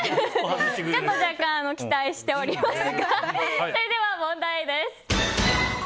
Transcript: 若干期待しておりますがそれでは、問題です。